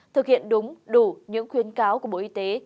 thực hiện đúng đủ những khuyến cáo của bộ y tế